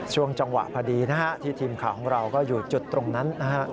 ช่วงจังหวะพอดีที่ทีมข่าวของเราก็อยู่จุดตรงนั้น